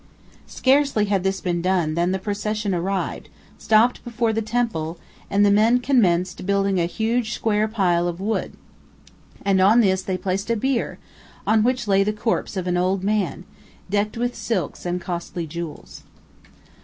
Scarcely had this been done than the procession arrived, stopped before the temple, and the men commenced building a huge square pile of wood; on this they placed a bier, on which lay the corpse of an old man, decked with silks and costly jewels.